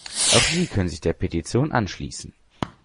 Auch Sie können sich der Petition anschließen.